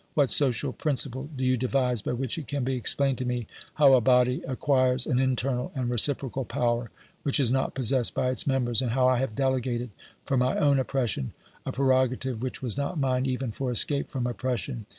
What social principle do you devise by which it can be explained to me how a body acquires an internal and reciprocal power which is not possessed by its members, and how I have delegated for my own oppression a prero gative which was not mine even for escape from oppres sion